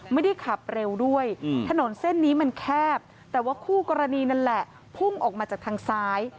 ไม่ได้ขับเร็วด้วยถนนเส้นนี้มันแคบแต่ว่าคู่กรณีนั่นแหละพุ่งออกมาจากทางซ้าย